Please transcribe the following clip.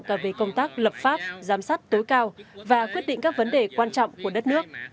cả về công tác lập pháp giám sát tối cao và quyết định các vấn đề quan trọng của đất nước